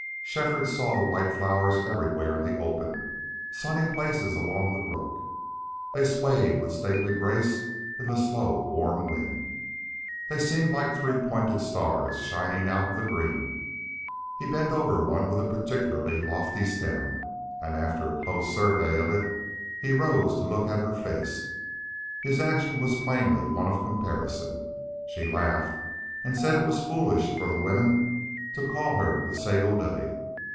Shefford saw the white flowers everywhere in the open, sunny places along the brook. They swayed with stately grace in the slow, warm wind. They seemed like three pointed stars shining out of the green. He bent over one with a particularly lofty stem, and after a close survey of it he rose to look at her face. His action was plainly one of comparison. She laughed and said it was foolish for the women to call her the Sago Lily.